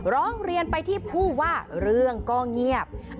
ร้องเรียนไปที่ผู้ว่าเรื่องก็เงียบ